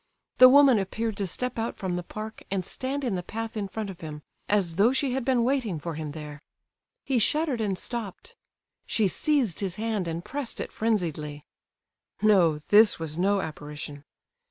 The woman appeared to step out from the park, and stand in the path in front of him, as though she had been waiting for him there. He shuddered and stopped; she seized his hand and pressed it frenziedly. No, this was no apparition!